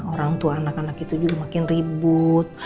orang tua anak anak itu juga makin ribut